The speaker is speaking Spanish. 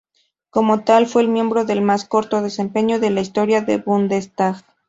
Como tal, fue el miembro de más corto desempeño en la historia del Bundestag.